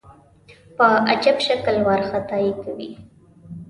په عجیب شکل وارخطايي کوي.